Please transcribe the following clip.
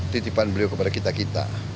titipan beliau kepada kita kita